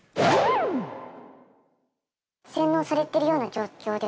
洗脳されているような状況で